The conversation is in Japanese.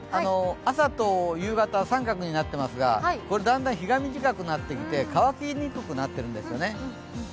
朝と夕方、△になっていますが、だんだん日が短くなってきて乾きにくくなってるんですよね。